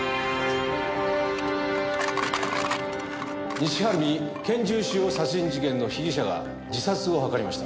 西晴海けん銃使用殺人事件の被疑者が自殺を図りました。